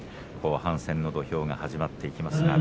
後半戦の土俵が始まっていきます。